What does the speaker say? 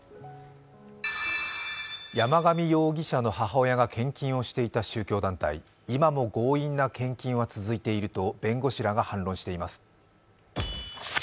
山上容疑者の母親が献金をしていた宗教団体、今も強引な献金は続いていると弁護士らが反論しています。